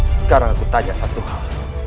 sekarang aku tanya satu hal